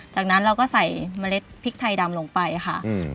จากนั้นเราก็ใส่เมล็ดพริกไทยดำลงไปค่ะ